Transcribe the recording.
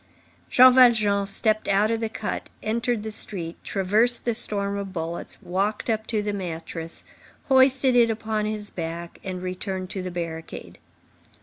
Jean Valjean stepped out of the cut, entered the street, traversed the storm of bullets, walked up to the mattress, hoisted it upon his back, and returned to the barricade.